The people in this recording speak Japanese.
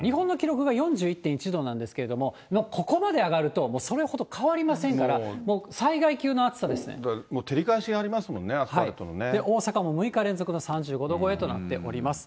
越谷と山梨の甲府が３９．５度、日本の記録が４１．１度なんですけれども、ここまで上がると、それほど変わりませんから、もうだからもう、照り返しがあり大阪も６日連続の３５度超えとなっております。